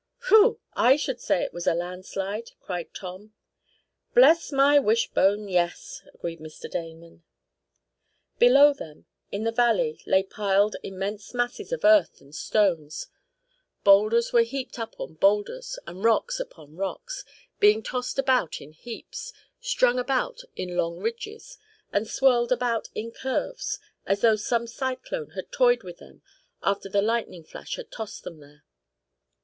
"Whew! I should say it was a landslide!" cried Tom. "Bless my wishbone, yes!" agreed Mr. Damon. Below them, in the valley, lay piled immense masses of earth and stones. Boulders were heaped up on boulders, and rocks upon rocks, being tossed about in heaps, strung about in long ridges, and swirled about in curves, as though some cyclone had toyed with them after the lightning flash had tossed them there.